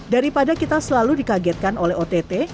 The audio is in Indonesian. daripada kita selalu dikagetkan oleh ott